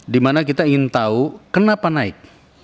dimana kita ingin tahu kenapa naik